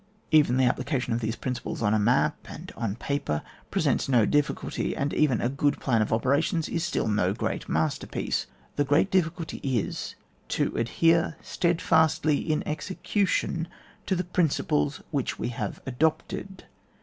Even the application of these prin ciples on a map, and on paper, presents no difficulty; and even a good plan of operations is still no great masterpiece. The great difficulty is to adhere steadfastly in execution to the principles which we have adopted.